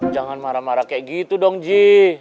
jangan marah marah kayak gitu dong ji